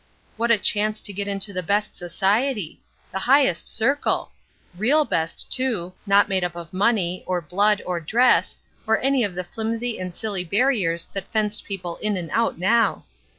What a chance to get into the best society! the highest circle! real best, too, not made up of money, or blood, or dress, or any of the flimsy and silly barriers that fenced people in and out now.